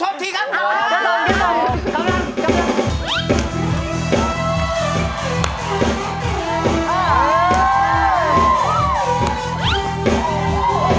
เขาจะส่งให้เพื่อนทศพีครับ